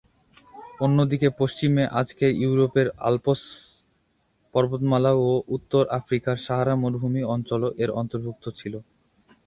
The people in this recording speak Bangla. অন্যদিকে পশ্চিমে আজকের ইউরোপের আল্পস পর্বতমালা ও উত্তর আফ্রিকার সাহারা মরুভূমি অঞ্চলও এর অন্তর্ভুক্ত ছিল।